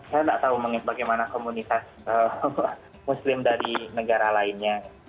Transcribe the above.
saya tidak tahu bagaimana komunitas muslim dari negara lainnya